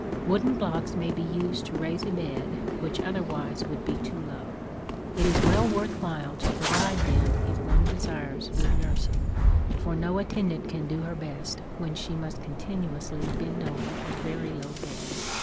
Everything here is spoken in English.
Wooden blocks may be used to raise a bed which otherwise would be too low. It is well worth while to provide them if one desires good nursing, for no attendant can do her best when she must continuously bend over a very low bed.